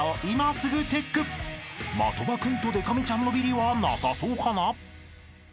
［的場君とでか美ちゃんのビリはなさそうかな］